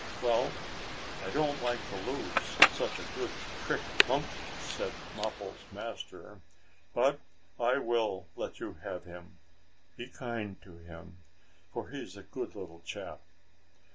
"Well, I don't like to lose such a good trick monkey," said Mappo's master, "but I will let you have him. Be kind to him, for he is a good little chap."